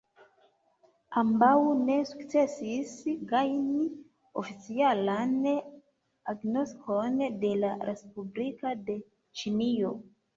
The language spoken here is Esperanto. Ambaŭ ne sukcesis gajni oficialan agnoskon de la respubliko de Ĉinio.